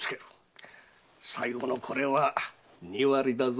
最後のこれは二割だぞ。